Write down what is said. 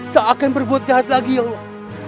tak akan berbudaya lagi ya allah